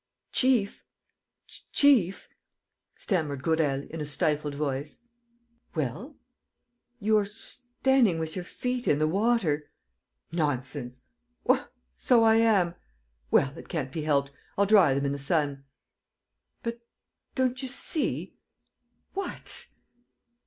"Chief ... chief," stammered Gourel, in a stifled voice. ... "Well?" "You are standing with your feet in the water." "Nonsense! ... Why, so I am! ... Well, it can't be helped. ... I'll dry them in the sun. ..." "But don't you see?" "What?"